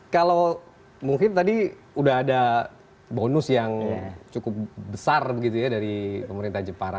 kalau mungkin tadi sudah ada bonus yang cukup besar dari pemerintah jepara